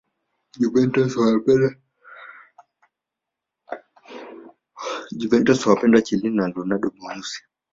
Juventus wanampenda Chielin na Leonardo Bonucci